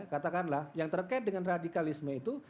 katakanlah yang terkait dengan radikalisme itu